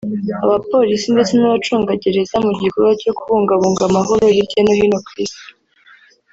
abapolisi ndetse n’abacungagereza mu gikorwa cyo kubungabunga amahoro hirya no hino ku Isi